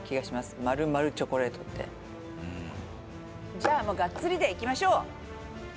じゃあもうがっつりでいきましょう！